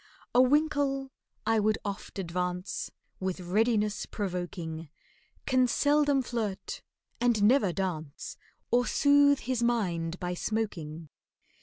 "A winkle," I would oft advance With readiness provoking, "Can seldom flirt, and never dance, Or soothe his mind by smoking."